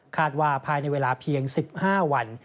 ภายในเวลาเพียง๑๕วัน